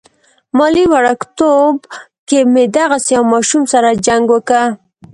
مالې وړوکتوب کې مې دغسې يو ماشوم سره جنګ وکه.